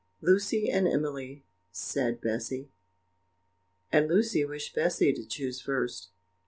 "Lucy and Emily," said Bessy; and Lucy wished Bessy to choose first.